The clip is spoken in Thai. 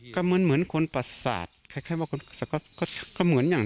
ก็เหมือนเหมือนคนประสาทคล้ายค่ายว่าคนก็ก็ก็เหมือนอย่าง